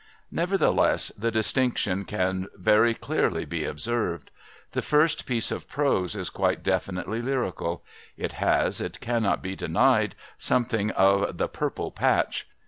Nevertheless, the distinction can very clearly be observed. The first piece of prose is quite definitely lyrical: it has, it cannot be denied, something of the "purple patch."